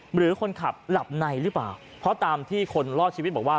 หรือคนขับหลับในหรือเปล่าเพราะตามที่คนรอดชีวิตบอกว่า